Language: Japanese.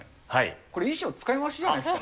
これ、衣装使い回しじゃないですか。